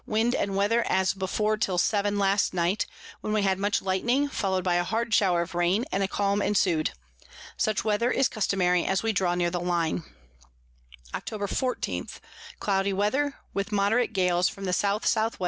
_ Wind and Weather as before till seven last night, when we had much Lightning follow'd by a hard Shower of Rain, and a Calm ensu'd. Such Weather is customary as we draw near the Line. Octob. 14. Cloudy Weather, with moderate Gales from the S S W.